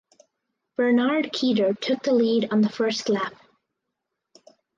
Benard Keter took the lead on the first lap.